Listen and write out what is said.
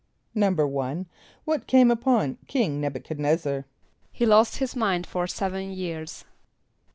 =1.= What came upon King N[)e]b u chad n[)e]z´zar? =He lost his mind for seven years.